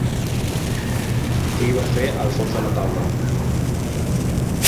Què hi va fer al fons de la taula?